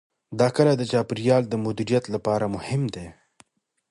دا کلي د چاپیریال د مدیریت لپاره مهم دي.